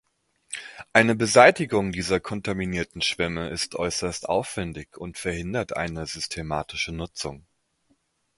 Eine Beseitigung dieser kontaminierten Schlämme ist äußerst aufwändig und verhindert eine systematische Nutzung.